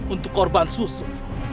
untuk korban susu